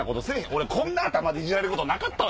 俺こんな頭でイジられることなかったわ！